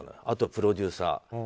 あと、プロデューサー。